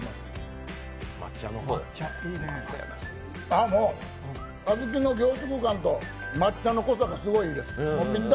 あっ、もう小豆の凝縮感と抹茶の濃さがすごくいいです。